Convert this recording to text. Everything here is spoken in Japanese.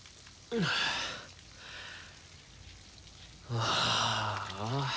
ああ。